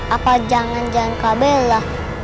apa jangan jangan kak bella